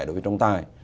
đối với trọng tài